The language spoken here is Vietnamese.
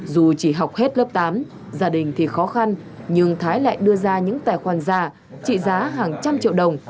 dù chỉ học hết lớp tám gia đình thì khó khăn nhưng thái lại đưa ra những tài khoản giả trị giá hàng trăm triệu đồng